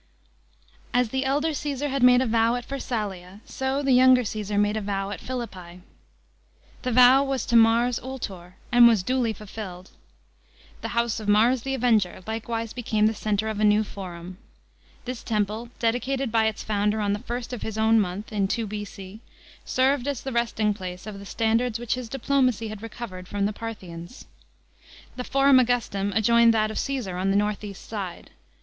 As the elder Caesar had made a vow at Pharsnlia, . o the younger Caesar made a vow at Philippi. The vow was to Mars Ultor, and was dul\ fulfilled. The house of Mars the Avenger likewise became the centre of a new Forum. This temple, dedicated by its foundei on the first of his own month in 2 B.C., served as the resting place of the standards which his diplomacy had recovered from the Parthians. The Forum Augnstum adjoined t1 at of C'sesar on the north east side.